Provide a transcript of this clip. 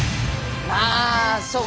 まあそうか。